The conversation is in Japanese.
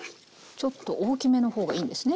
ちょっと大きめの方がいいんですね。